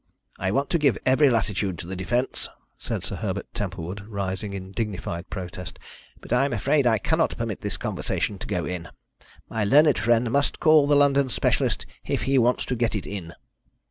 "I want to give every latitude to the defence," said Sir Herbert Templewood, rising in dignified protest, "but I am afraid I cannot permit this conversation to go in. My learned friend must call the London specialist if he wants to get it in."